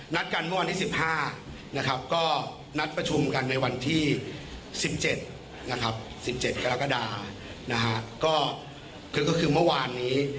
กันเมื่อวันที่๑๕นะครับก็นัดประชุมกันในวันที่๑๗นะครับ๑๗กรกฎานะฮะก็คือเมื่อวานนี้